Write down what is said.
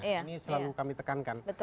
ini selalu kami tekankan